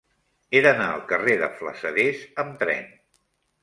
He d'anar al carrer de Flassaders amb tren.